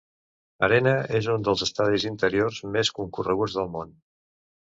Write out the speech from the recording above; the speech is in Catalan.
Arena és un dels estadis interiors més concorreguts del món.